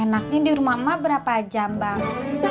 enaknya di rumah berapa jam bang